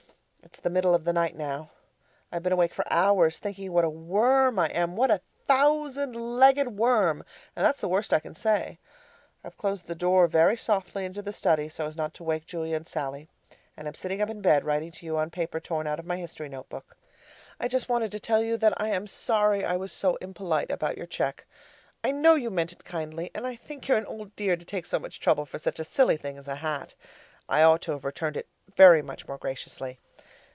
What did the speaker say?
It's the middle of the night now; I've been awake for hours thinking what a Worm I am what a Thousand legged Worm and that's the worst I can say! I've closed the door very softly into the study so as not to wake Julia and Sallie, and am sitting up in bed writing to you on paper torn out of my history note book. I just wanted to tell you that I am sorry I was so impolite about your cheque. I know you meant it kindly, and I think you're an old dear to take so much trouble for such a silly thing as a hat. I ought to have returned it very much more graciously.